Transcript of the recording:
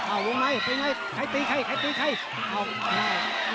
อ้าววงไลน์ไปไหนใครตีใครใครตีใคร